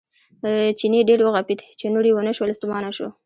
چیني ډېر وغپېد چې نور یې ونه شول ستومانه شو.